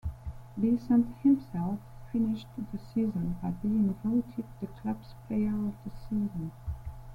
Beasant himself finished the season by being voted the club's Player of the Season.